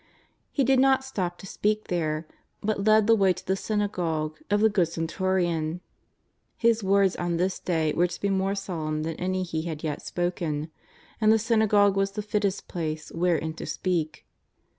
He did not stop to speak there, but led the way to the syna gogue of the good centurion. His words on this day were to be more solemn than any He had yet spoken, and the synagogue was the fittest place wherein to speak.